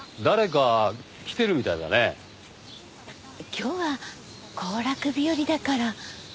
今日は行楽日和だから。